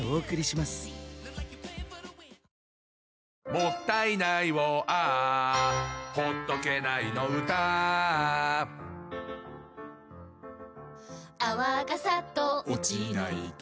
「もったいないをＡｈ」「ほっとけないの唄Ａｈ」「泡がサッと落ちないと」